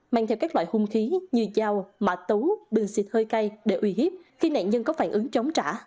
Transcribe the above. mang theo các loại hung khí như dao mã tấu bình xịt hơi cay để uy hiếp khi nạn nhân có phản ứng chống trả